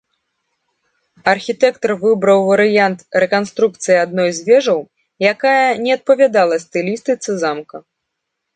Архітэктар выбраў варыянт рэканструкцыі адной з вежаў, якая не адпавядала стылістыцы замка.